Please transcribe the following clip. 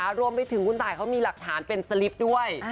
รวมไปถึงคุณตายเขามีหลักฐานเป็นสลิปด้วย